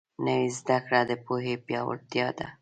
نوې زده کړه د پوهې پیاوړتیا ده